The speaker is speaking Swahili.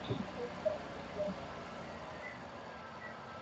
mkulima anashauriwa kuchakata viazi ili kuongeza mda wa viazi